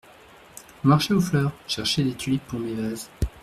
Au marché aux fleurs… chercher des tulipes pour mes vases.